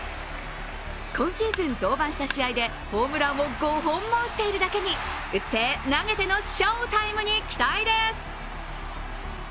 今シーズン登板した試合でホームランを５本も打っているだけに打って、投げての翔タイムに期待です。